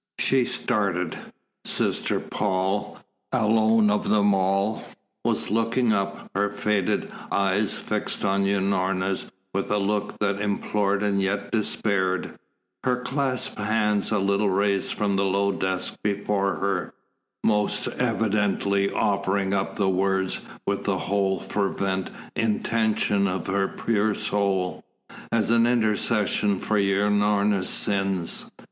She started. Sister Paul, alone of them all, was looking up, her faded eyes fixed on Unorna's with a look that implored and yet despaired, her clasped hands a little raised from the low desk before her, most evidently offering up the words with the whole fervent intention of her pure soul, as an intercession for Unorna's sins.